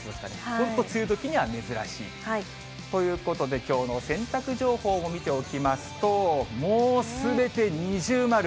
本当、梅雨どきには珍しいということで、きょうの洗濯情報も見ておきますと、もうすべて二重丸。